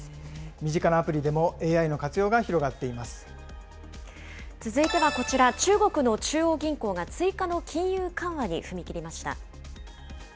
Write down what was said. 身近なアプリでもＡＩの活用が広続いてはこちら、中国の中央銀行が追加の金融緩和に踏み切りました。